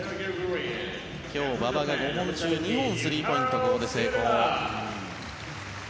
今日、馬場が５本中２本スリーポイント成功。